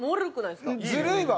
ずるいわ。